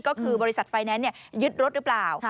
ก็คือบริษัทไฟแนนซ์ยึดรถหรือเปล่า